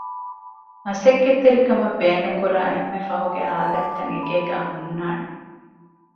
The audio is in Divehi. މަސައްކަތްތެރިކަމަށް ބޭނުންކުރާ އެންމެ ފަހުގެ އާލާތްތައް އެގޭގައި ހުންނާނެ